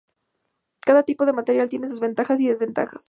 Cada tipo de material tiene sus ventajas y desventajas.